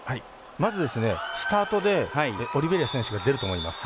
まずスタートでオリベイラ選手が出ると思います。